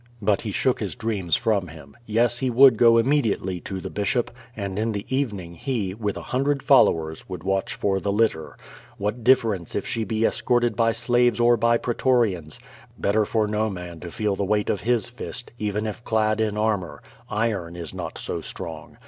But he shook his dreams from him. Yes, he would sro immediately to the bishop, and in the evening he, with a hundred followers, would watch for the litter. Wliat differ ence if she be escorted by slaves or by pretorians? Better for no man to feel the weight of his fist, even if clad in armor. Iron is not so strong.